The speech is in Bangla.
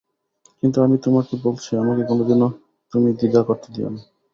কিন্তু আমি তোমাকে বলছি আমাকে কোনোদিন তুমি দ্বিধা করতে দিয়ো না।